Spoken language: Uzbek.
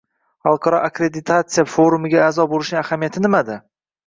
Xalqaro akkreditatsiya forumiga a’zo bo‘lishning ahamiyati nimada?